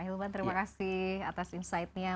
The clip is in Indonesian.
hilman terima kasih atas insightnya